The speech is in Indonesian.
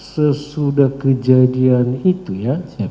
sesudah kejadian itu ya